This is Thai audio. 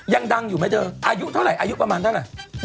ยังดังอยู่ไหมเธออายุเท่าไหร่อายุประมาณเท่าไหร่